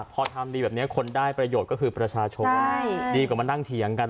พอทำดีแบบนี้คนได้ประโยชน์ก็คือประชาชนดีกว่ามานั่งเถียงกัน